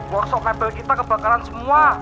workshop mebel kita kebakaran semua